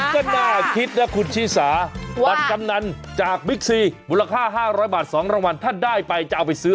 ก็น่าคิดนะคุณชีสาบัตรกำนันจากบิ๊กซีมูลค่า๕๐๐บาท๒รางวัลถ้าได้ไปจะเอาไปซื้อ